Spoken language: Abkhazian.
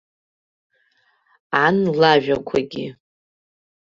Ан лажәақәагьы.